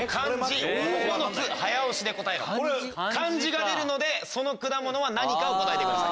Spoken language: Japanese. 漢字が出るのでその果物は何かを答えてください。